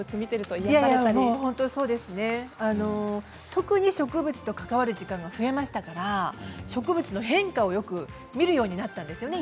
特に植物と関わる時間が増えましたから植物の変化をよく見るようになったんですよね